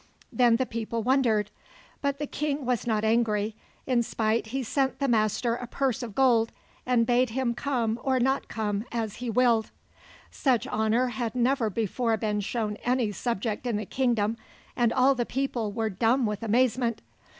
Then the people wondered. But the king was not angry; in pity he sent the Master a purse of gold, and bade him come or not come, as he willed. Such honor had never before been shown any subject in the kingdom, and all the people were dumb with amazement.